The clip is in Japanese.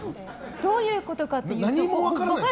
どういうことかというと。